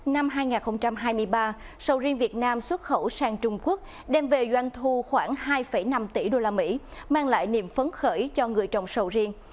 năm hai nghìn hai mươi ba sầu riêng việt nam xuất khẩu sang trung quốc đem về doanh thu khoảng hai năm tỷ usd mang lại niềm phấn khởi cho người trồng sầu riêng